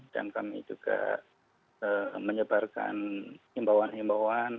dan kami juga menyebarkan himbauan himbauan